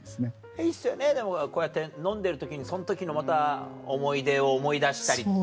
いいっすよねでもこうやって飲んでる時にその時のまた思い出を思い出したりとかね。